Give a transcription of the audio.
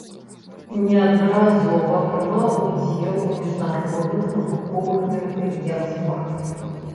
Неаднаразова прымаў удзел у міжнародных навуковых мерапрыемствах.